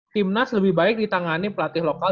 tim nas lebih baik ditangani pelatih lokal